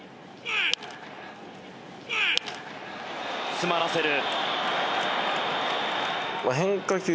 詰まらせる。